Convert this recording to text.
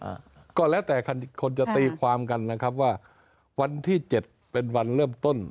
อ่าก็แล้วแต่คนจะตีความกันนะครับว่าวันที่เจ็ดเป็นวันเริ่มต้น